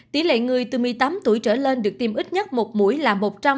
tỷ lệ người từ một mươi tám tuổi trở lên được tiêm ít nhất một mũi là một trăm linh